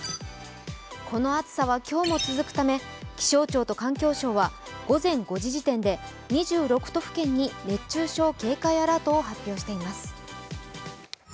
この暑さは今日も続くため気象庁と環境省は午前５時時点で２６都府県に熱中症警戒アラートを発表しています。